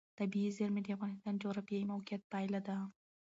طبیعي زیرمې د افغانستان د جغرافیایي موقیعت پایله ده.